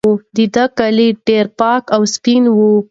د ده کالي ډېر پاک او سپین وو.